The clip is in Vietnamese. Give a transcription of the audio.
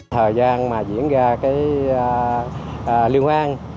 thời gian mà diễn ra cái liên hoan